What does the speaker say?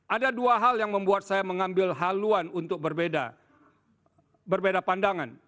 ada dua hal yang membuat saya mengambil haluan untuk berbeda berbeda pandangan